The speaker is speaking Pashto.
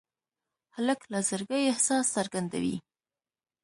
هلک له زړګي احساس څرګندوي.